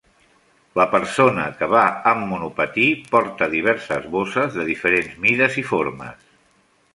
La persona que va amb monopatí porta diverses bosses de diferents mides i formes.